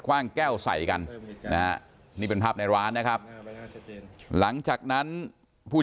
ว่างแก้วใส่กันนะฮะนี่เป็นภาพในร้านนะครับหลังจากนั้นผู้